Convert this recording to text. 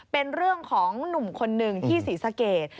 เป็นเรื่องของหนุ่มคนหนึ่งที่ศรีสะเกด